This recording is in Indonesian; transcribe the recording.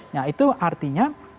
nah itu artinya